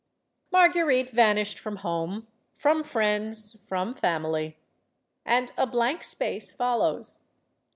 Marguerite vanished from home, from friends, from family. And a blank space follows.